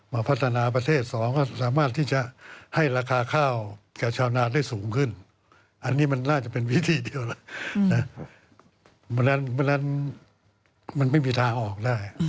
ไว้จากนั้นมันไม่มีทางออกได้